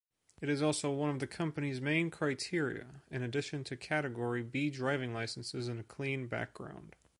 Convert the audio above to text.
It is also one of the company’s main criteria, in addition to category B driving licenses and a clean background.